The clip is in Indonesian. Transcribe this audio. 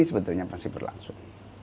ini sebetulnya pasti berlangsung